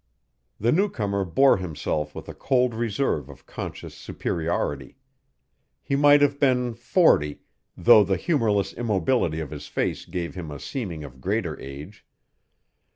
The newcomer bore himself with a cold reserve of conscious superiority. He might have been forty, though the humorless immobility of his face gave him a seeming of greater age.